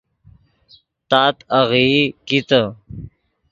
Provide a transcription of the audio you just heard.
تات آغیئی کیتے